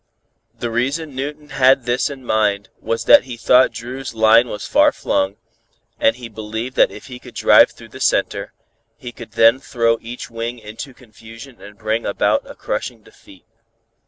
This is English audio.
The reason Newton had this in mind was that he thought Dru's line was far flung, and he believed that if he could drive through the center, he could then throw each wing into confusion and bring about a crushing defeat.